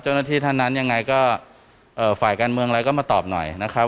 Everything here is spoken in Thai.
เจ้าหน้าที่ท่านนั้นยังไงก็เอ่อฝ่ายการเมืองอะไรก็มาตอบหน่อยนะครับ